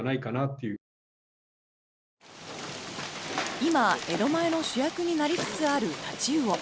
今、江戸前の主役になりつつあるタチウオ。